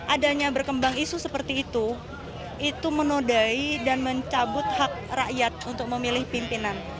adanya berkembang isu seperti itu itu menodai dan mencabut hak rakyat untuk memilih pimpinan